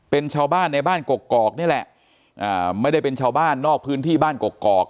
เป็นชาวบ้านในบ้านกกอกนี่แหละไม่ได้เป็นชาวบ้านนอกพื้นที่บ้านกกอก